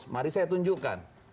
mari saya tunjukkan